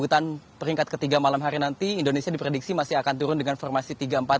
peringkat ketiga malam hari nanti indonesia diprediksi masih akan turun dengan formasi tiga empat